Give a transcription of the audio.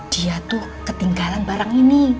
dia tuh ketinggalan barang ini